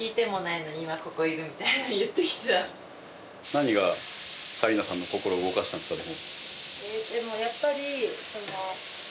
何が紗理那さんの心を動かしたんですかね？